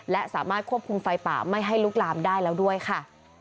และสามารถควบคุมไฟป่าไม่ให้ลุกลามได้แล้วด้วยค่ะ